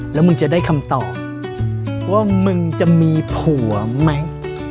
แล้วมึงจะได้คำตอบว่ามึงจะมีผัวไหม